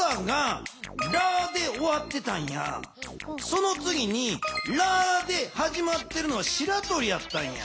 そのつぎに「ラ」ではじまってるのはしらとりやったんや。